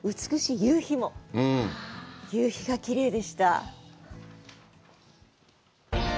夕日がきれいでした。